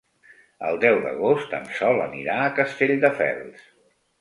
El deu d'agost en Sol anirà a Castelldefels.